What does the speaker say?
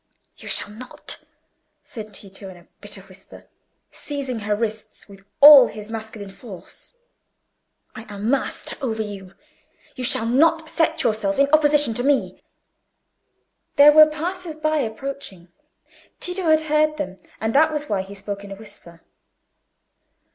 "You shall not!" said Tito, in a bitter whisper, seizing her wrists with all his masculine force. "I am master of you. You shall not set yourself in opposition to me." There were passers by approaching. Tito had heard them, and that was why he spoke in a whisper.